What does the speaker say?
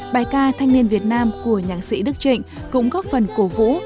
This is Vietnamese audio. bài ca thanh niên việt nam của nhạc sĩ đức trịnh cũng góp phần cổ vũ